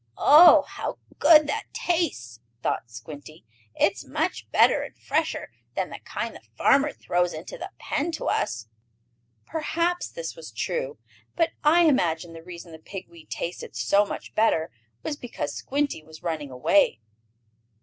"Oh, how good that tastes!" thought Squinty. "It is much better and fresher than the kind the farmer throws into the pen to us." Perhaps this was true, but I imagine the reason the pig weed tasted so much better was because Squinty was running away.